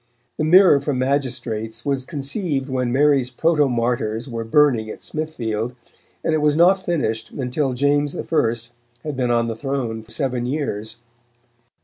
The Mirror for Magistrates was conceived when Mary's protomartyrs were burning at Smithfield, and it was not finished until James I. had been on the throne seven years.